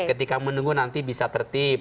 ketika menunggu nanti bisa tertib